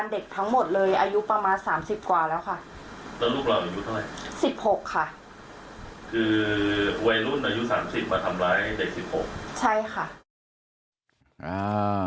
ก็รู้ว่าวัยรุ่นอายุ๓๐มาทำร้ายเด็กหล่ะค่ะ